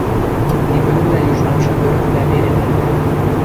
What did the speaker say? Ти пӹлвлӓ южнамжы пӧртвлӓ пелен эртӓт